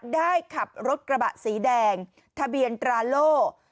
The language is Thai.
ขับรถกระบะสีแดงทะเบียนตราโล่